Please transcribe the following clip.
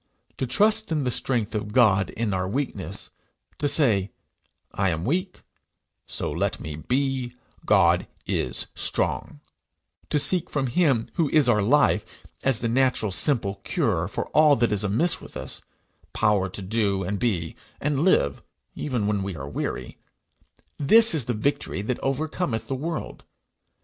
To trust in the strength of God in our weakness; to say, 'I am weak: so let me be: God is strong;' to seek from him who is our life, as the natural, simple cure of all that is amiss with us, power to do, and be, and live, even when we are weary, this is the victory that overcometh the world.